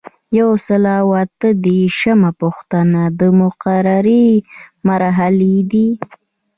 یو سل او اته دیرشمه پوښتنه د مقررې مرحلې دي.